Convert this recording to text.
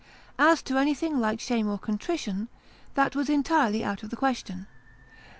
As to anything like shame or contrition, that was entirely out of the question.